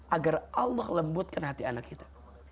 agar allah lembutkan hati anak kita